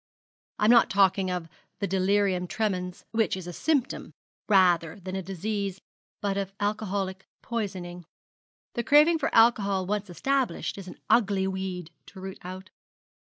I'm not talking of delirium tremens, which is a symptom rather than a disease, but of alcoholic poisoning. The craving for alcohol once established is an ugly weed to root out.'